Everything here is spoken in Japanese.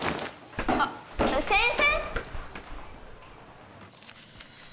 あっ先生？